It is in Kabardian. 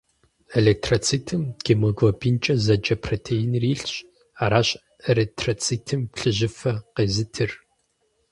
Эритроцитым гемоглобинкӏэ зэджэ протеиныр илъщ — аращ эритроцитым плъыжьыфэ къезытыр.